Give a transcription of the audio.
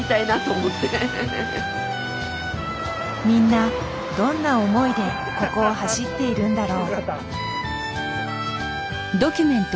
みんなどんな思いでここを走っているんだろう？